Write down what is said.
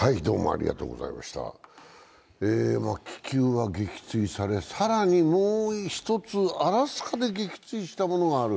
気球は撃墜され、更にもう１つ、アラスカで撃墜したものがある。